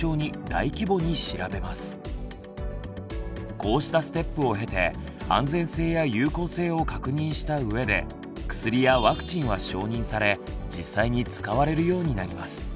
こうしたステップを経て安全性や有効性を確認したうえで薬やワクチンは承認され実際に使われるようになります。